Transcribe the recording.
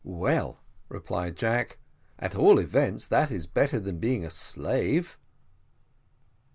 "Well," replied Jack, "at all events that is better than being a slave."